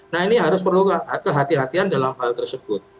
nah ini harus perlu kehatian kehatian dalam hal tersebut